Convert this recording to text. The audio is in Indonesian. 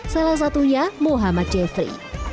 salah satunya muhammad jeffrey